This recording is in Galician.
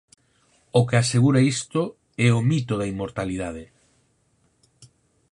O que asegura isto é o mito da inmortalidade.